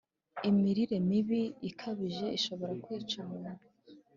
imirire mibi ikabije ishobora kwica umuntu